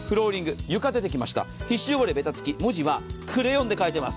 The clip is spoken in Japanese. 皮脂汚れ、べたつき、文字はクレヨンで書いています。